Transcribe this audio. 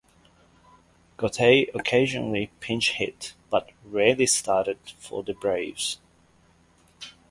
Gotay occasionally pinch hit, but rarely started for the Braves.